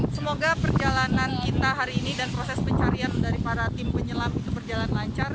semoga perjalanan kita hari ini dan proses pencarian dari para tim penyelam itu berjalan lancar